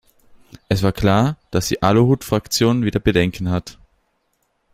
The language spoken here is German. Es war klar, dass die Aluhutfraktion wieder Bedenken hat.